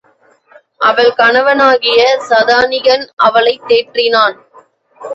அவள் கணவனாகிய சதானிகன் அவளைத் தேற்றினான்.